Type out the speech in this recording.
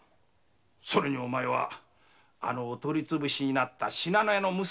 それにお前はお取り潰しになった信濃屋の娘だってね。